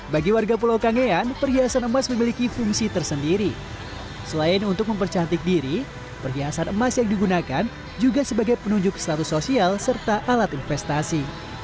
bagi warga pulau kangean perhiasan emas memiliki fungsi tersendiri selain untuk mempercantik diri perhiasan emas yang digunakan juga sebagai penunjuk status sosial serta alat investasi